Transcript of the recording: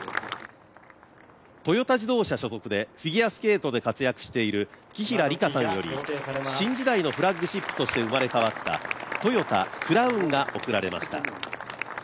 トヨタ自動車所属でフィギュアスケートで活躍している紀平さんより新時代のフラッグシップとして生まれ変わった生まれ変わったトヨタクラウンが贈られました。